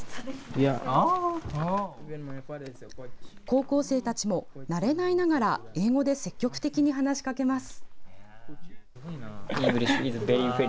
高校生たちも慣れないながら英語で積極的に話しかけます。